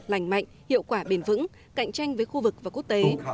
lành mạnh hiệu quả bền vững cạnh tranh với khu vực và quốc tế